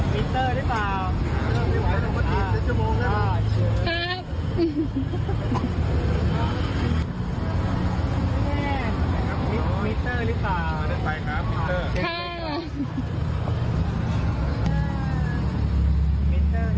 มิเตอร์หรือเปล่า